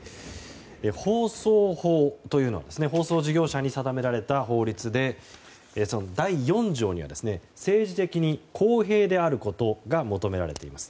放送法というのは放送事業者に定められた法律でして、第４条には政治的に公平であることが求められています。